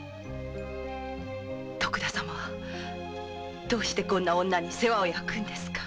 徳田様はなぜこんな女に世話をやくんですか？